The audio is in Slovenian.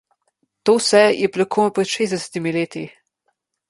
To vse je bilo pred komaj šestdesetimi leti.